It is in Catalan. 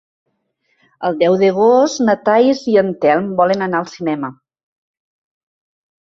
El deu d'agost na Thaís i en Telm volen anar al cinema.